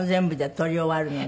撮り終わるのに。